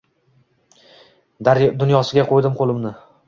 Dunyosiga qoʻydim qoʻlimni